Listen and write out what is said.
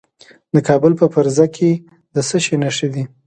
د کابل په فرزه کې د څه شي نښې دي؟